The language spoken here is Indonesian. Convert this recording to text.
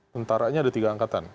tentaranya ada tiga angkatan